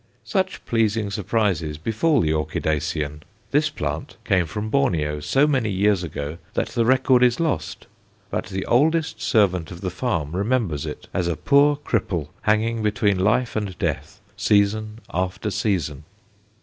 Such pleasing surprises befall the orchidacean! This plant came from Borneo so many years ago that the record is lost; but the oldest servant of the farm remembers it, as a poor cripple, hanging between life and death, season after season.